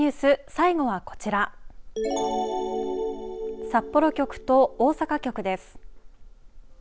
最後はこちら札幌局と大阪局です。